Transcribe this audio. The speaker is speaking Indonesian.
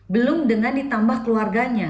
belum dengan ditambah keluarganya